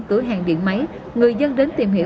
cửa hàng điện máy người dân đến tìm hiểu